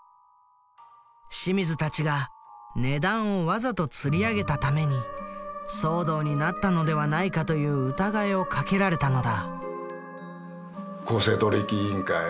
清水たちが値段をわざとつり上げたために騒動になったのではないかという疑いをかけられたのだ。